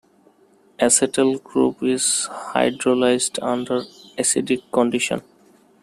Acetal group is hydrolyzed under acidic conditions.